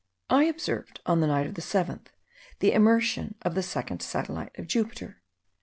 I observed, on the night of the 7th, the immersion of the second satellite of Jupiter.